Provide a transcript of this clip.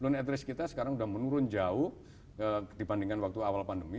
loan interest kita sekarang sudah menurun jauh dibandingkan waktu awal pandemi